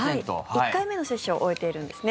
１回目の接種を終えているんですね。